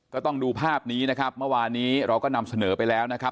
ต้องดูภาพนี้นะครับเมื่อวานนี้เราก็นำเสนอไปแล้วนะครับ